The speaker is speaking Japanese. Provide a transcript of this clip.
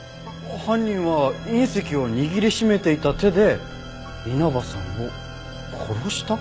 犯人は隕石を握り締めていた手で稲葉さんを殺した？